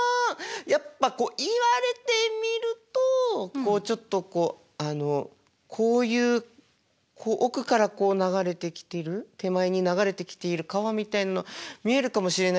やっぱこう言われてみるとこうちょっとこうこういう奥からこう流れてきてる手前に流れてきている川みたいな見えるかもしれないですけど。